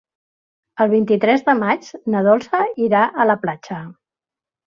El vint-i-tres de maig na Dolça irà a la platja.